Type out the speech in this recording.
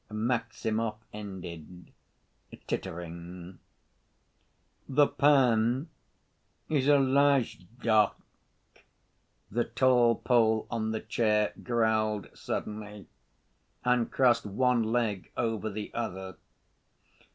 Maximov ended, tittering. "The pan is a lajdak!" the tall Pole on the chair growled suddenly and crossed one leg over the other.